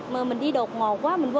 mà mình đi đột ngột quá mình quên